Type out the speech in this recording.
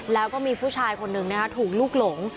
แล้วก็มีผู้ชายคนหนึ่งถูกลูกหลง